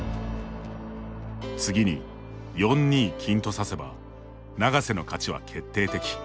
次に４二金と指せば永瀬の勝ちは決定的。